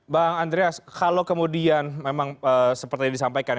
bang andreas kalau kemudian memang seperti yang disampaikan